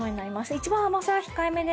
一番甘さが控えめで。